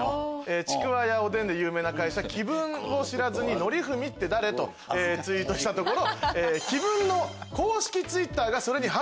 ちくわやおでんで有名な会社紀文を知らずに「のりふみって誰？」とツイートしたところ。